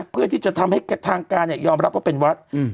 เพื่อที่จะทำให้ทางการยอมรับว่าเป็นวัด